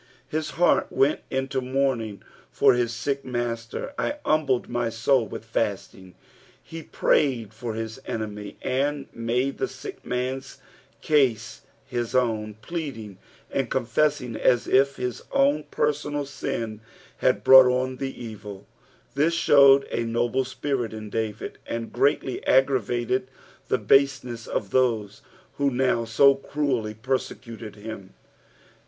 His h*:art went into mourning for his sick master. '^ I humbled my iioul with fatting.'''' Ho prayed for his enemy, and made the sick man's coec his own, pleading and confessing as if his own personal sin had brought on the evil. This showed a noble spirit iu David, and greatly aggravated the baseness of those who now so cruelly persecuted him.